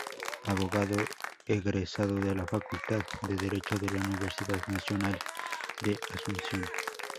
Abogado egresado de la Facultad de Derecho de la Universidad Nacional de Asunción.